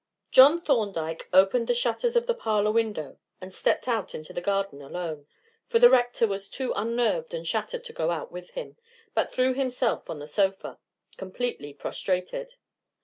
John Thorndyke opened the shutters of the parlor window, and stepped out into the garden alone, for the Rector was too unnerved and shattered to go out with him, but threw himself on the sofa, completely prostrated.